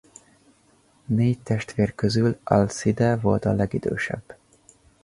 Négy testvér közül Alcide volt a legidősebb.